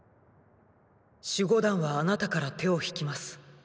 「守護団はあなたから手を引きます。